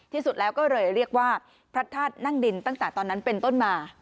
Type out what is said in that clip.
ที่สุดแล้วก็เลยเรียกว่าพระธาตุนั่งดินตั้งแต่ตอนนั้นเป็นต้นมา